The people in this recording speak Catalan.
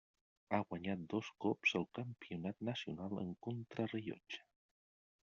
Ha guanyat dos cops el campionat nacional en contrarellotge.